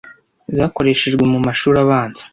zakoreshejwe mu mashuri abanza